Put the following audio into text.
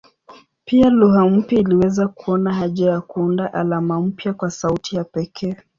Pia lugha mpya iliweza kuona haja ya kuunda alama mpya kwa sauti ya pekee.